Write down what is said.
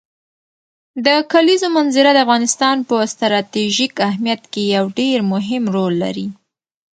د کلیزو منظره د افغانستان په ستراتیژیک اهمیت کې یو ډېر مهم رول لري.